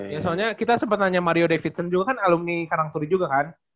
ya soalnya kita sempat nanya mario davidson juga kan alumni karakter juga kan